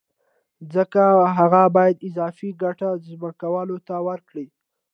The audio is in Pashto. ځکه هغه باید اضافي ګټه ځمکوال ته ورکړي